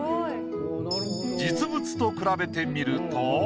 実物と比べてみると。